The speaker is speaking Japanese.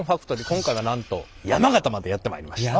今回はなんと山形までやって参りました。